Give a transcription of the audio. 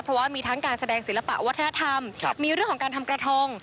เพราะว่ามีทั้งการแสดงศิลปะวัฒนธรรมมีเรื่องของการทำกระทง